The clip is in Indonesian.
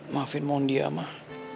maafin mohon dia mah